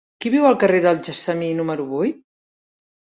Qui viu al carrer del Gessamí número vuit?